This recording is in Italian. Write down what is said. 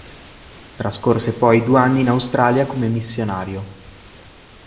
Trascorse poi due anni in Australia come missionario.